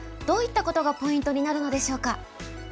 どういったことがポイントになるのでしょうか？